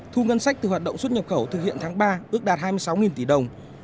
thu ngân sách từ hoạt động xuất nhập khẩu thực hiện tháng ba ước đạt hai mươi sáu tỷ đồng